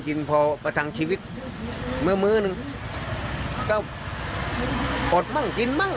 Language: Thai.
กินพอประทังชีวิตเมื่อเมื่อนึงก็อดมั่งกินมั่ง